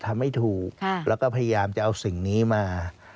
ทำให้ถูกแล้วก็พยายามจะเอาสิ่งนี้มา